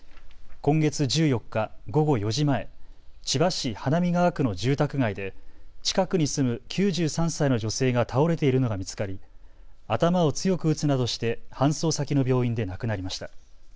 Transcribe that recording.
今月１４日、午後４時前、千葉市花見川区の住宅街で近くに住む９３歳の女性が倒れているのが見つかり頭を強く打つなどして搬送先の病院で亡くなりました。